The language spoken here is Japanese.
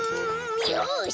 よし！